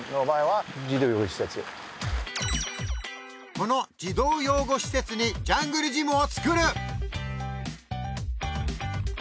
この児童養護施設にジャングルジムを作る！